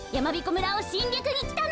村をしんりゃくにきたの！